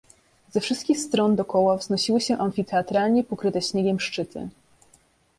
"Ze wszystkich stron dokoła wznosiły się amfiteatralnie pokryte śniegiem szczyty."